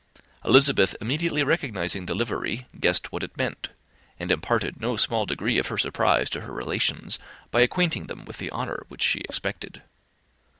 Elizabeth, immediately recognizing the livery, guessed what it meant, and imparted no small degree of surprise to her relations, by acquainting them with the honour which she expected.